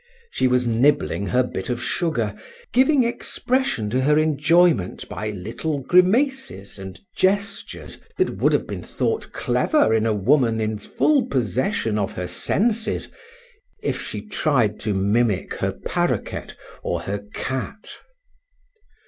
She was nibbling her bit of sugar, giving expression to her enjoyment by little grimaces and gestures that would have been thought clever in a woman in full possession of her senses if she tried to mimic her paroquet or her cat.